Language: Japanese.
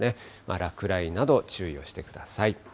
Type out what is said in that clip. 落雷など注意をしてください。